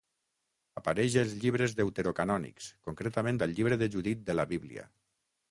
Apareix als llibres Deuterocanònics, concretament al Llibre de Judit de la Bíblia.